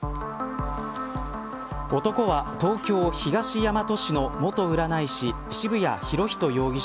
男は東京、東大和市の元占い師、渋谷博仁容疑者